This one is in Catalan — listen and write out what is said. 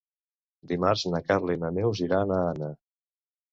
Dimarts na Carla i na Neus iran a Anna.